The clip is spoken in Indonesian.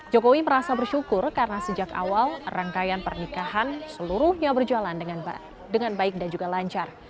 jokowi merasa bersyukur karena sejak awal rangkaian pernikahan seluruhnya berjalan dengan baik dan juga lancar